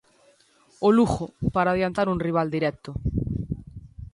O Lugo, para adiantar un rival directo.